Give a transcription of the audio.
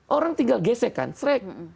orang tinggal gesek kan srek